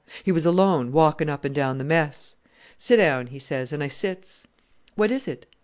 He was alone, walking up and down the mess. 'Sit down,' he says, and I sits. 'What is it?'